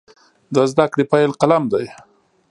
د زده کړې پیل قلم دی.